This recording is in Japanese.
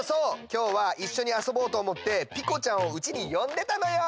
きょうはいっしょにあそぼうとおもってピコちゃんをうちによんでたのよ！